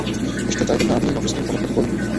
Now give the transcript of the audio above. নিশ্চয়ই চাইবেন না আমি এই অফিসারের কোনো ক্ষতি করি।